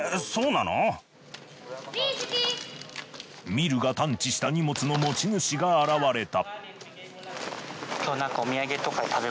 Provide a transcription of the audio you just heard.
ミルが探知した荷物の持ち主が現れた。